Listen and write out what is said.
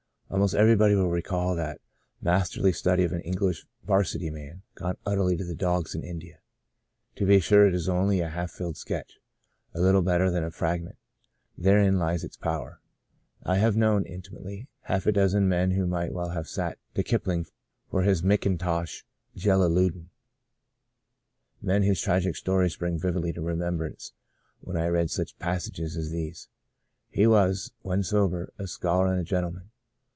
Almost everybody will recall that masterly study of an English 'varsity man, gone ut terly to the dogs in India. To be sure it is only a half filled sketch — a little better than a fragment — therein lies its power. I have 136 The Blossoming Desert 137 known, intimately, half a dozen men who might well have sat to Kipling for his Mcin tosh Jellaludin — men whose tragic stories spring vividly to remembrance, when I read such passages as these : "He was, when sober, a scholar and a gentleman.